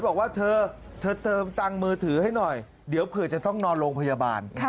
บอกว่าเธอเธอเติมตังค์มือถือให้หน่อยเดี๋ยวเผื่อจะต้องนอนโรงพยาบาล